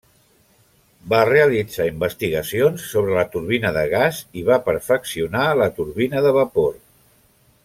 Va realitzar investigacions sobre la turbina de gas i va perfeccionar la turbina de vapor.